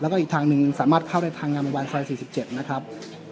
แล้วก็อีกทางหนึ่งสามารถเข้าในทางงามบรรวมบรรย์สายสี่สิบเจ็ดนะครับ